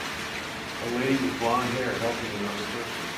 A lady with blondhair helping another person.